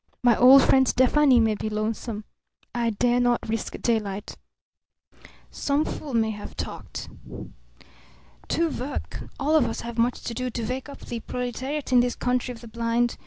My old friend Stefani may be lonesome. I dare not risk daylight. Some fool may have talked. To work! All of us have much to do to wake up the proletariat in this country of the blind.